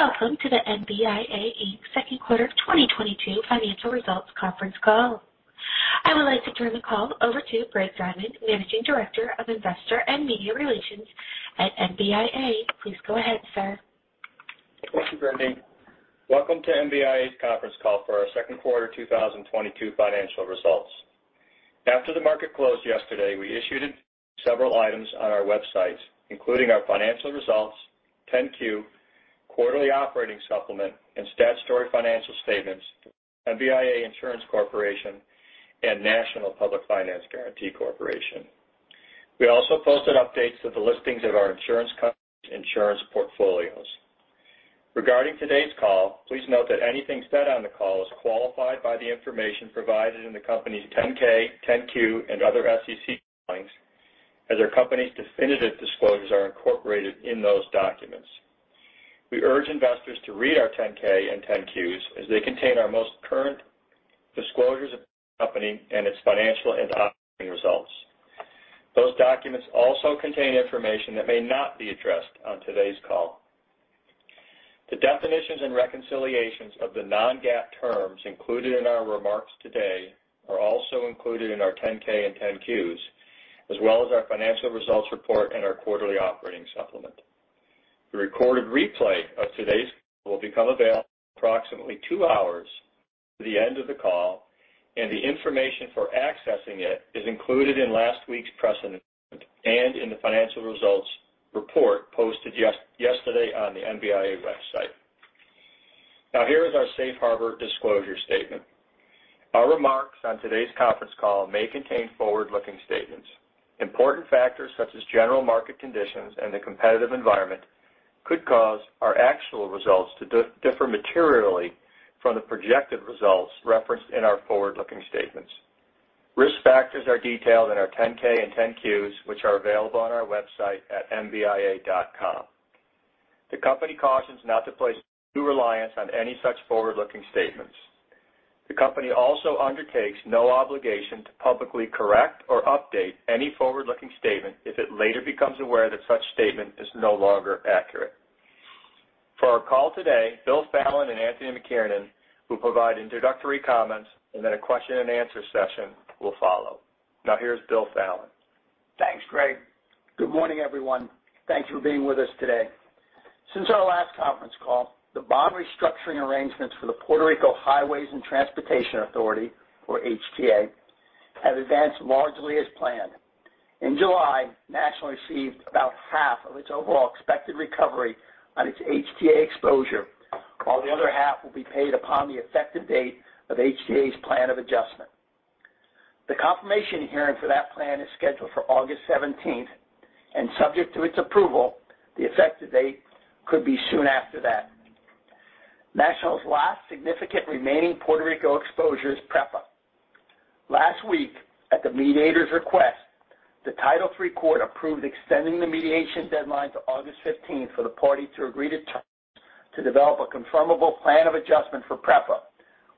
Welcome to the MBIA Inc.'s second quarter 2022 financial results conference call. I would like to turn the call over to Greg Diamond, Managing Director of Investor and Media Relations at MBIA. Please go ahead, sir. Thank you, Wendy. Welcome to MBIA's conference call for our second quarter 2022 financial results. After the market closed yesterday, we issued several items on our website, including our financial results, 10-Q, quarterly operating supplement and statutory financial statements, MBIA Insurance Corporation, and National Public Finance Guarantee Corporation. We also posted updates to the listings of our insurance company's insurance portfolios. Regarding today's call, please note that anything said on the call is qualified by the information provided in the company's 10-K, 10-Q, and other SEC filings as our company's definitive disclosures are incorporated in those documents. We urge investors to read our 10-K and 10-Qs as they contain our most current disclosures of the company and its financial and operating results. Those documents also contain information that may not be addressed on today's call. The definitions and reconciliations of the non-GAAP terms included in our remarks today are also included in our 10-K and 10-Qs, as well as our financial results report and our quarterly operating supplement. The recorded replay of today's call will become available in approximately two hours after the end of the call, and the information for accessing it is included in last week's press announcement and in the financial results report posted yesterday on the MBIA website. Now, here is our safe harbor disclosure statement. Our remarks on today's conference call may contain forward-looking statements. Important factors such as general market conditions and the competitive environment could cause our actual results to differ materially from the projected results referenced in our forward-looking statements. Risk factors are detailed in our 10-K and 10-Qs, which are available on our website at mbia.com. The company cautions not to place undue reliance on any such forward-looking statements. The company also undertakes no obligation to publicly correct or update any forward-looking statement if it later becomes aware that such statement is no longer accurate. For our call today, Bill Fallon and Anthony McKiernan will provide introductory comments, and then a question-and-answer session will follow. Now here's Bill Fallon. Thanks, Greg. Good morning, everyone. Thanks for being with us today. Since our last conference call, the bond restructuring arrangements for the Puerto Rico Highways and Transportation Authority or HTA have advanced largely as planned. In July, National received about half of its overall expected recovery on its HTA exposure, while the other half will be paid upon the effective date of HTA's plan of adjustment. The confirmation hearing for that plan is scheduled for August 17th, and subject to its approval, the effective date could be soon after that. National's last significant remaining Puerto Rico exposure is PREPA. Last week, at the mediator's request, the Title III court approved extending the mediation deadline to August 15th for the parties to agree to terms to develop a confirmable plan of adjustment for PREPA,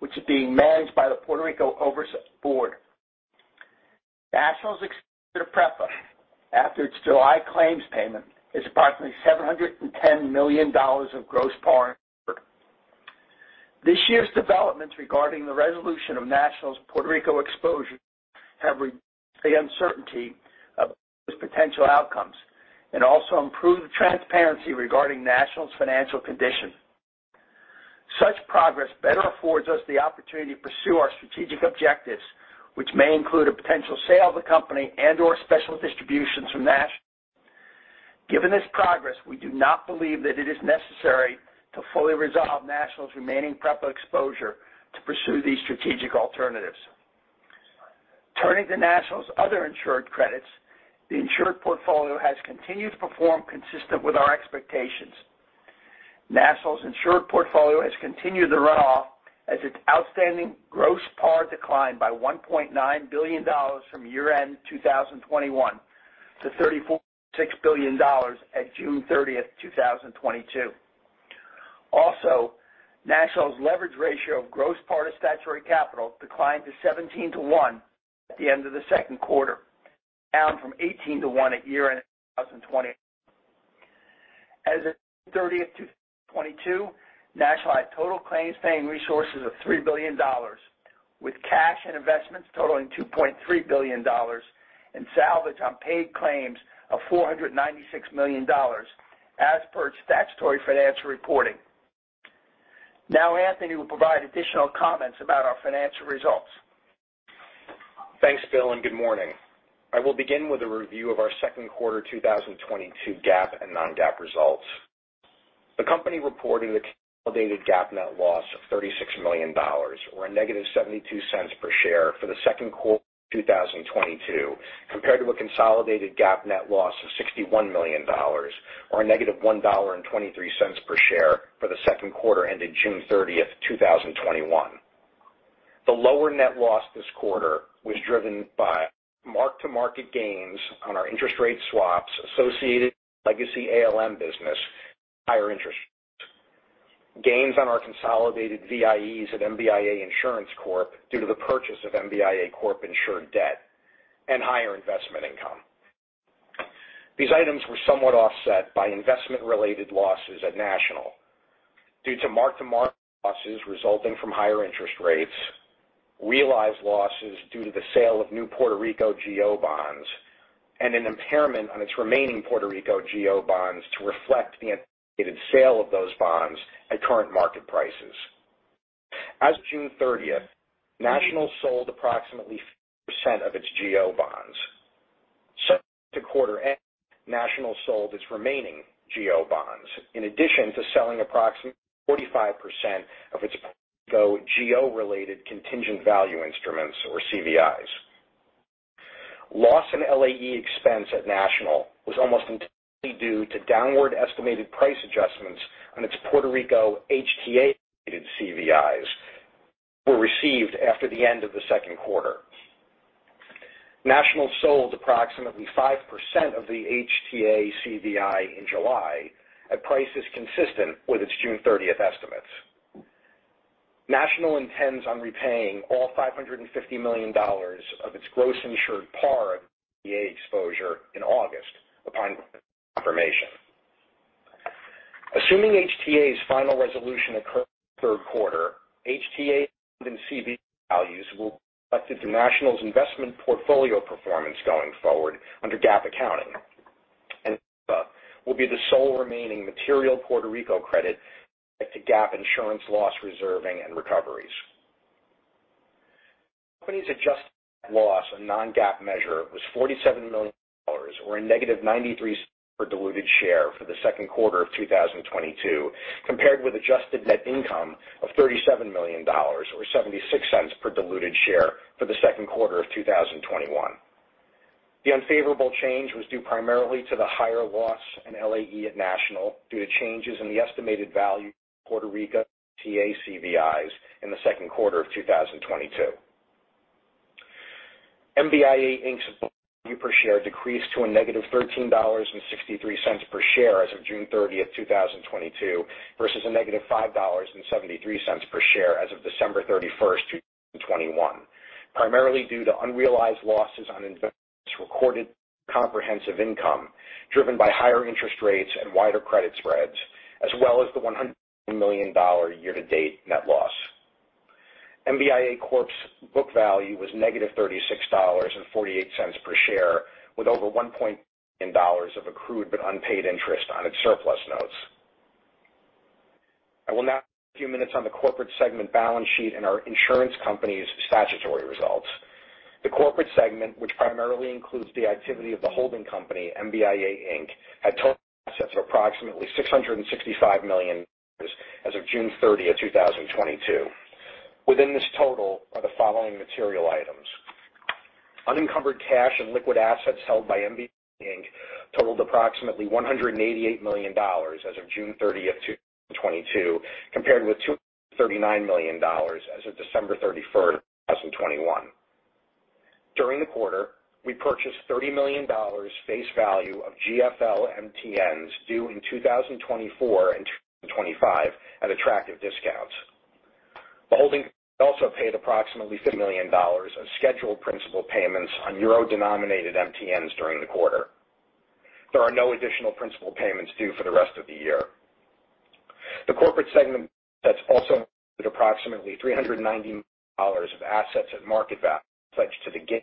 which is being managed by the Financial Oversight and Management Board for Puerto Rico. National's exposure to PREPA after its July claims payment is approximately $710 million of gross par. This year's developments regarding the resolution of National's Puerto Rico exposure have reduced the uncertainty of those potential outcomes and also improved transparency regarding National's financial condition. Such progress better affords us the opportunity to pursue our strategic objectives, which may include a potential sale of the company and/or special distributions from National. Given this progress, we do not believe that it is necessary to fully resolve National's remaining PREPA exposure to pursue these strategic alternatives. Turning to National's other insured credits, the insured portfolio has continued to perform consistently with our expectations. National's insured portfolio has continued to run off as its outstanding gross par declined by $1.9 billion from year-end 2021 to $34.6 billion at June 30, 2022. Also, National's leverage ratio of gross par to statutory capital declined to 17-to-1 at the end of the second quarter, down from 18-to-1 at year-end 2020. As of June 30, 2022, National had total claims-paying resources of $3 billion, with cash and investments totaling $2.3 billion and salvage on paid claims of $496 million as per statutory financial reporting. Now Anthony will provide additional comments about our financial results. Thanks, Bill, and good morning. I will begin with a review of our second quarter 2022 GAAP and non-GAAP results. The company reported a consolidated GAAP net loss of $36 million or -$0.72 per share for the second quarter of 2022, compared to a consolidated GAAP net loss of $61 million or -$1.23 per share for the second quarter ending June 30, 2021. The lower net loss this quarter was driven by mark-to-market gains on our interest rate swaps associated with the legacy ALM business, higher interest gains on our consolidated VIEs at MBIA Insurance Corp. due to the purchase of MBIA Corp.-insured debt and higher investment income. These items were somewhat offset by investment-related losses at National due to mark-to-market losses resulting from higher interest rates, realized losses due to the sale of new Puerto Rico GO bonds, and an impairment on its remaining Puerto Rico GO bonds to reflect the anticipated sale of those bonds at current market prices. As of June 30th, National sold approximately 50% of its GO bonds. Since quarter end, National sold its remaining GO bonds, in addition to selling approximately 45% of its Puerto Rico GO related contingent value instruments or CVIs. Loss in LAE expense at National was almost entirely due to downward estimated price adjustments on its Puerto Rico HTA related CVIs were received after the end of the second quarter. National sold approximately 5% of the HTA CVI in July at prices consistent with its June 30th estimates. National intends on repaying all $550 million of its gross insured par of HTA exposure in August upon confirmation. Assuming HTA's final resolution occurs in the third quarter, HTA and CVI values will be reflected through National's investment portfolio performance going forward under GAAP accounting. PREPA will be the sole remaining material Puerto Rico credit subject to GAAP insurance loss reserving and recoveries. The company's adjusted net loss on non-GAAP measure was $47 million or -$0.93 per diluted share for the second quarter of 2022, compared with adjusted net income of $37 million or $0.76 per diluted share for the second quarter of 2021. The unfavorable change was due primarily to the higher loss in LAE at National due to changes in the estimated value of Puerto Rico HTA CVIs in the second quarter of 2022. MBIA Inc.'s book value per share decreased to -$13.63 per share as of June 30th, 2022 versus -$5.73 per share as of December 31st, 2021, primarily due to unrealized losses on investments recorded in comprehensive income driven by higher interest rates and wider credit spreads, as well as the $100 million year-to-date net loss. MBIA Corp's book value was -$36.48 per share, with over $1.2 millions of accrued but unpaid interest on its surplus notes. I will now spend a few minutes on the corporate segment balance sheet and our insurance company's statutory results. The corporate segment, which primarily includes the activity of the holding company, MBIA Inc., had total assets of approximately $665 million as of June 30, 2022. Within this total are the following material items. Unencumbered cash and liquid assets held by MBIA Inc. totaled approximately $188 million as of June 30, 2022, compared with $239 million as of December 31, 2021. During the quarter, we purchased $30 million face value of GFL MTNs due in 2024 and 2025 at attractive discounts. The holding company also paid approximately $50 million of scheduled principal payments on euro-denominated MTNs during the quarter. There are no additional principal payments due for the rest of the year. The corporate segment assets also include approximately $390 million of assets at market value pledged to the GIC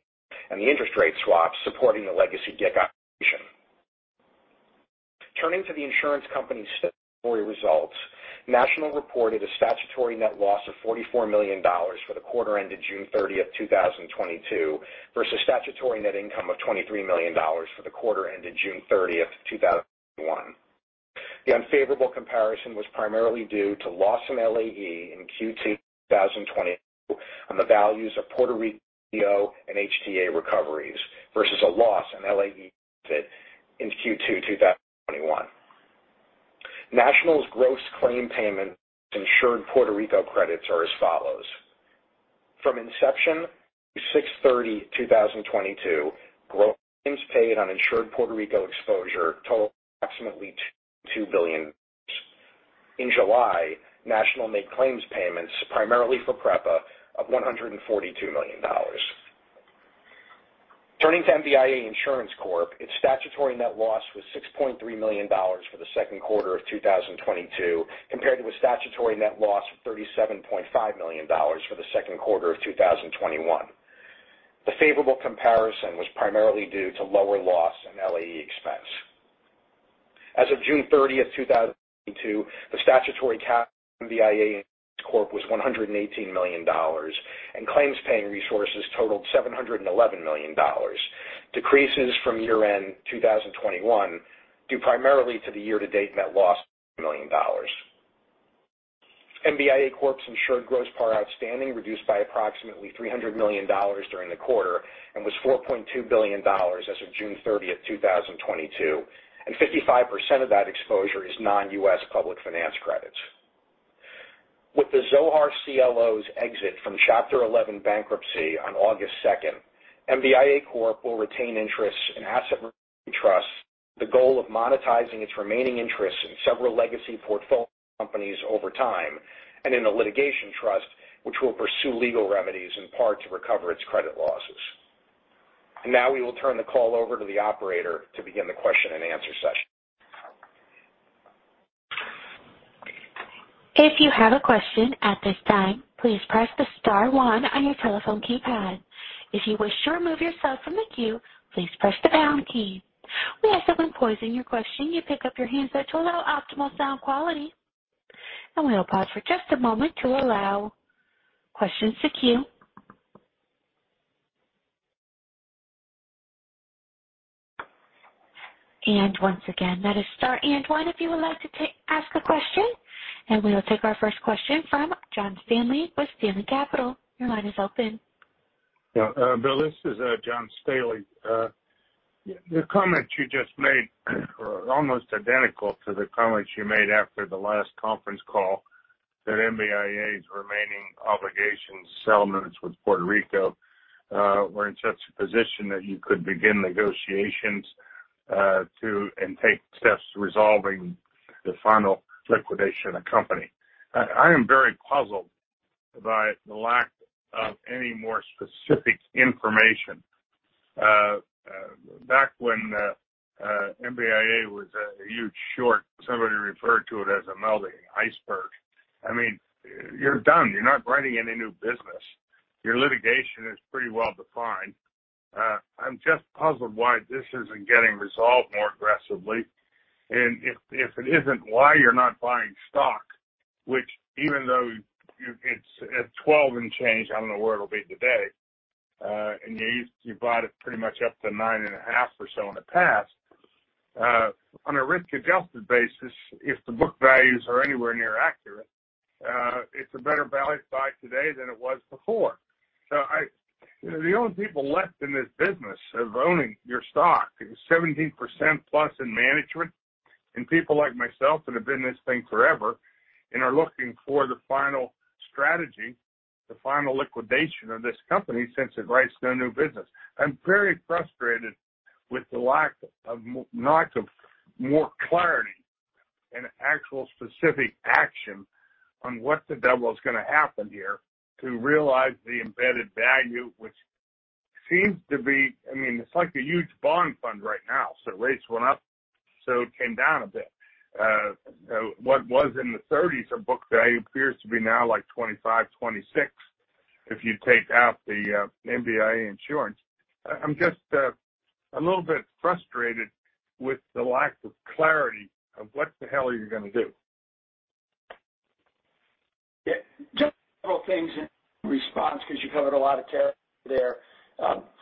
and the interest rate swaps supporting the legacy GIC obligation. Turning to the insurance company's statutory results, National reported a statutory net loss of $44 million for the quarter ended June 30, 2022, versus statutory net income of $23 million for the quarter ended June 30, 2021. The unfavorable comparison was primarily due to loss and LAE in Q2 2022 on the values of Puerto Rico GO and HTA recoveries versus a loss and LAE benefit in Q2 2021. National's gross claim payments on its insured Puerto Rico credits are as follows. From inception to June 30, 2022, gross claims paid on insured Puerto Rico exposure totaled approximately $2 billion. In July, National made claims payments primarily for PREPA of $142 million. Turning to MBIA Insurance Corp, its statutory net loss was $6.3 million for the second quarter of 2022, compared with statutory net loss of $37.5 million for the second quarter of 2021. The favorable comparison was primarily due to lower losses and LAE expense. As of June 30, 2022, the statutory capital of MBIA Insurance Corp was $118 million, and claims-paying resources totaled $711 million, decreases from year-end 2021 due primarily to the year-to-date net loss of $2 million. MBIA Corp.'s insured gross par outstanding reduced by approximately $300 million during the quarter and was $4.2 billion as of June 30, 2022, and 55% of that exposure is non-US public finance credits. With the Zohar CLOs exit from Chapter 11 bankruptcy on August 2nd, MBIA Corp. will retain interest in asset trusts, the goal of monetizing its remaining interests in several legacy portfolio companies over time, and in the litigation trust, which will pursue legal remedies in part to recover its credit losses. Now we will turn the call over to the operator to begin the question-and-answer session. If you have a question at this time, please press the star one on your telephone keypad. If you wish to remove yourself from the queue, please press the pound key. We ask that when posing your question, you pick up your handset to allow optimal sound quality. We'll pause for just a moment to allow questions to queue. Once again, that is star and one if you would like to ask a question. We will take our first question from John Staley with Staley Capital. Your line is open. Yeah, Bill, this is John Staley. The comment you just made are almost identical to the comments you made after the last conference call that MBIA's remaining obligations settlements with Puerto Rico were in such a position that you could begin negotiations and take steps resolving the final liquidation of the company. I am very puzzled by the lack of any more specific information. Back when MBIA was a huge, short, somebody referred to it as a melting iceberg. I mean, you're done. You're not writing any new business. Your litigation is pretty well-defined. I'm just puzzled why this isn't getting resolved more aggressively. If it isn't, why you're not buying stock, which even though it's at $12, I don't know where it'll be today, and you bought it pretty much up to $9.5 or so in the past, on a risk-adjusted basis, if the book values are anywhere near accurate, it's a better value buy today than it was before. You know, the only people left in this business of owning your stock is 17%+ in management and people like myself that have been in this thing forever and are looking for the final strategy, the final liquidation of this company since it writes no new business. I'm very frustrated with the lack of more clarity and actual specific action on what the devil is gonna happen here to realize the embedded value, which seems to be, I mean, it's like a huge bond fund right now. So, rates went up, so it came down a bit. What was in the 30s of book value appears to be now, like, 25, 26 if you take out the MBIA insurance. I'm just a little bit frustrated with the lack of clarity of what the hell are you gonna do. Yeah. Just a couple things in response 'cause you covered a lot of territory there.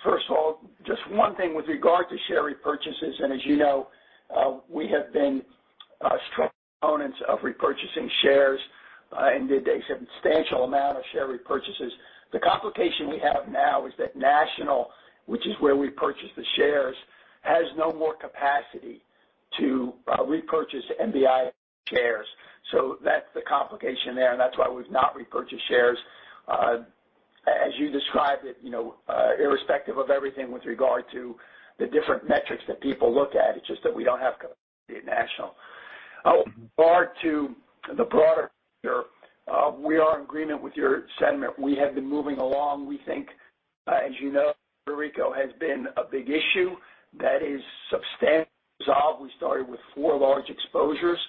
First of all, just one thing with regard to share repurchases, and as you know, we have been strong proponents of repurchasing shares and did a substantial amount of share repurchases. The complication we have now is that National, which is where we purchased the shares, has no more capacity to repurchase MBIA shares. That's the complication there, and that's why we've not repurchased shares. As you described it, you know, irrespective of everything with regard to the different metrics that people look at, it's just that we don't have capacity at National. As far to the broader picture, we are in agreement with your sentiment. We have been moving along. We think, as you know, Puerto Rico has been a big issue that is substantially resolved. We started with four large exposures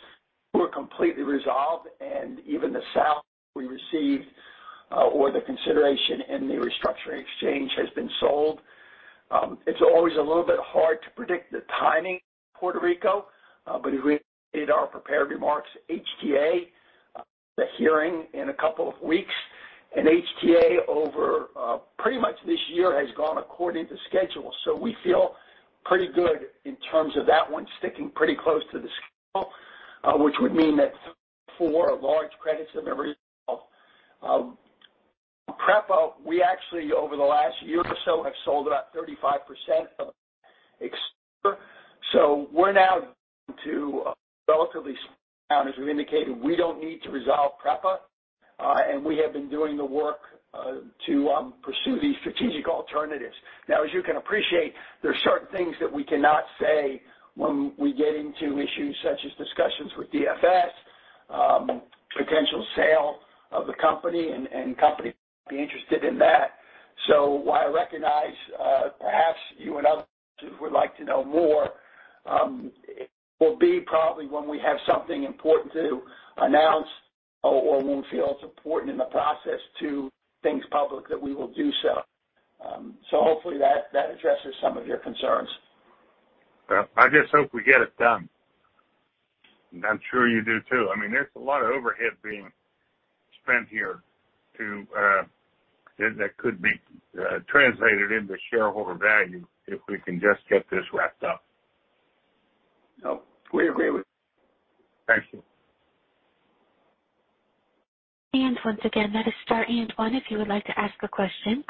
who are completely resolved, and even the sale we received or the consideration in the restructuring exchange has been sold. It's always a little bit hard to predict the timing of Puerto Rico, but as we stated our prepared remarks, HTA, the hearing in a couple of weeks. HTA over pretty much this year has gone according to schedule. We feel pretty good in terms of that one sticking pretty close to the scale, which would mean that four large credits have been resolved. PREPA, we actually over the last year or so have sold about 35% of exposure. We're now down to relatively small. As we've indicated, we don't need to resolve PREPA, and we have been doing the work to pursue these strategic alternatives. Now, as you can appreciate, there are certain things that we cannot say when we get into issues such as discussions with DFS, potential sale of the company and company interested in that. While I recognize perhaps you and others would like to know more, it will be probably when we have something important to announce or when we feel it's important in the process to bring things public that we will do so. Hopefully that addresses some of your concerns. Well, I just hope we get it done. I'm sure you do too. I mean, there's a lot of overhead being spent here to that could be translated into shareholder value if we can just get this wrapped up. Oh, we agree with you. Thank you. Once again, that is star and one if you would like to ask a question.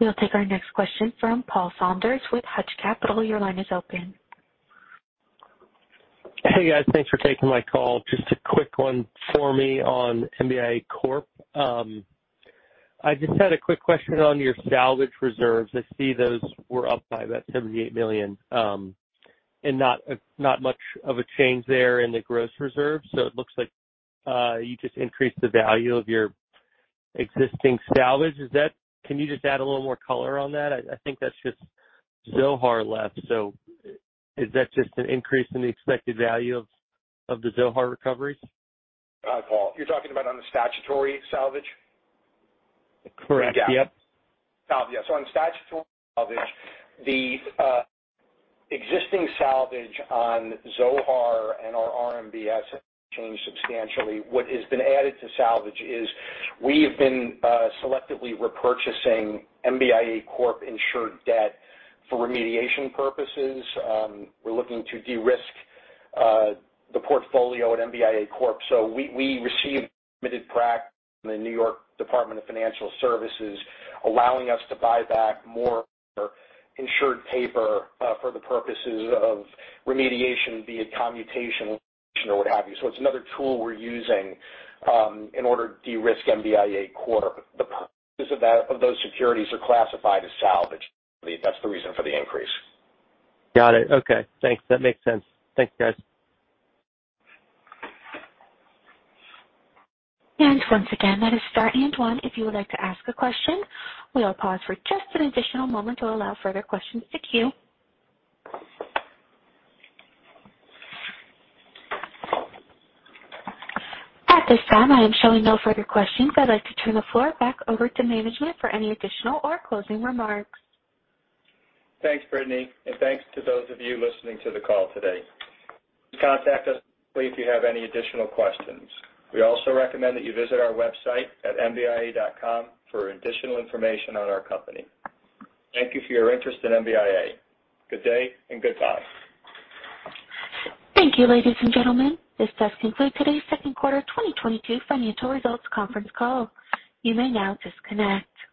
We'll take our next question from Paul Saunders with Hutch Capital. Your line is open. Hey guys, thanks for taking my call. Just a quick one for me on MBIA Corp. I just had a quick question on your salvage reserves. I see those were up by about $78 million, and not much of a change there in the gross reserve. It looks like you just increased the value of your existing salvage. Is that? Can you just add a little more color on that? I think that's just Zohar left. Is that just an increase in the expected value of the Zohar recoveries? Paul, you're talking about on the statutory salvage? Correct. Yep. On statutory salvage, the existing salvage on Zohar and our RMBS changed substantially. What has been added to salvage is we have been selectively repurchasing MBIA Corp insured debt for remediation purposes. We're looking to de-risk the portfolio at MBIA Corp. We received permitted prac from the New York State Department of Financial Services, allowing us to buy back more insured paper for the purposes of remediation, be it commutation or what have you. It's another tool we're using in order to de-risk MBIA Corp. The purpose of that, of those securities are classified as salvage. That's the reason for the increase. Got it. Okay. Thanks. That makes sense. Thank you, guys. Once again, that is star and one if you would like to ask a question. We'll pause for just an additional moment to allow further questions to queue. At this time, I am showing no further questions. I'd like to turn the floor back over to management for any additional or closing remarks. Thanks, Brittany, and thanks to those of you listening to the call today. Contact us if you have any additional questions. We also recommend that you visit our website at mbia.com for additional information on our company. Thank you for your interest in MBIA. Good day and goodbye. Thank you, ladies and gentlemen. This does conclude today's second quarter 2022 financial results conference call. You may now disconnect.